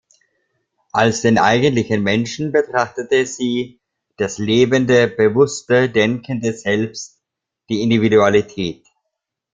Als den eigentlichen Menschen betrachtete sie "„das lebende, bewusste, denkende Selbst, die Individualität“".